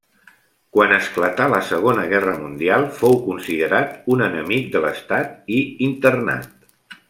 Quan esclatà la Segona Guerra Mundial fou considerat un enemic de l'estat i internat.